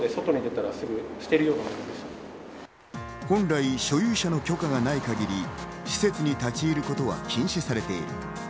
本来、所有者の許可がない限り、施設に立ち入ることは禁止されている。